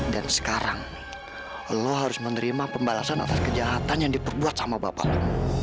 dan sekarang lo harus menerima pembalasan atas kejahatan yang diperbuat sama bapak lo